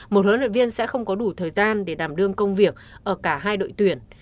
một huấn luyện viên sẽ không có đủ thời gian để đảm đương công việc ở cả hai đội tuyển